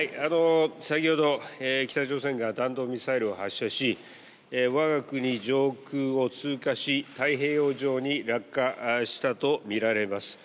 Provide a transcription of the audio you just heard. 先ほど北朝鮮が弾道ミサイルを発射し、我が国上空を通過し太平洋上に落下したとみられます。